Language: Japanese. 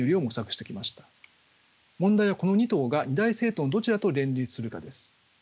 問題はこの２党が二大政党のどちらと連立するかです。